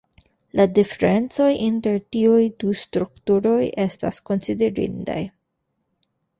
La diferencoj inter tiuj du strukturoj estas konsiderindaj.